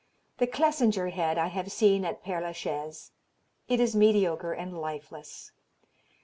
The Clesinger head I have seen at Pere la Chaise. It is mediocre and lifeless.